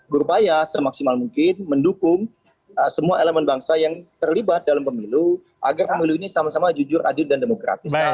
berupaya semaksimal mungkin mendukung semua elemen bangsa yang terlibat dalam pemilu agar pemilu ini sama sama jujur adil dan demokratis